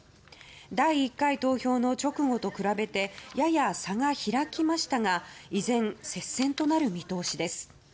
第１回投票の直後と比べてやや差が開きましたが依然、接戦となる見通しです。